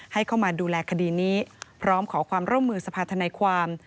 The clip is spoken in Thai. ให้เข้ามาดูแลคดีนี้พร้อมขอความร่วมมือสภาธนายความ